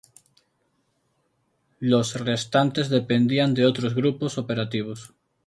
Los restantes dependían de otros grupos operativos.